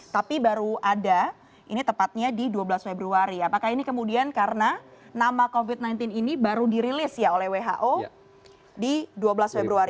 tapi baru ada ini tepatnya di dua belas februari apakah ini kemudian karena nama covid sembilan belas ini baru dirilis ya oleh who di dua belas februari